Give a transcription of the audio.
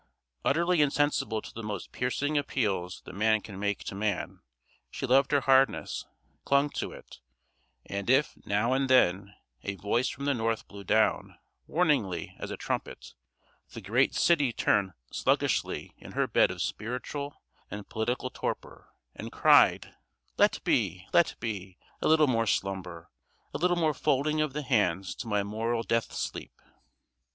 Utterly insensible to the most piercing appeals that man can make to man, she loved her hardness, clung to it; and if, now and then, a voice from the North blew down, warningly as a trumpet, the great city turned sluggishly in her bed of spiritual and political torpor, and cried: Let be, let be! a little more slumber! a little more folding of the hands to my moral death sleep!